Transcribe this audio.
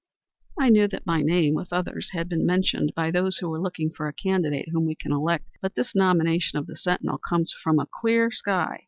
"I knew that my name, with others, had been mentioned by those who were looking for a candidate whom we can elect. But this nomination of the Sentinel comes from a clear sky.